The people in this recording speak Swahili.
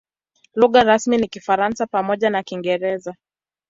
Lugha rasmi ni Kifaransa pamoja na Kiingereza.